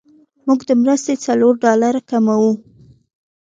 موږ د مرستې څلور ډالره کموو.